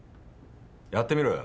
やってみろよ。